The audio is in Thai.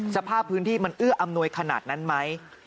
สภาพพื้นที่มันเอื้ออำนวยขนาดนั้นไหม